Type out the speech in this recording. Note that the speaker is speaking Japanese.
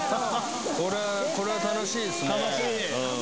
これは楽しいっすね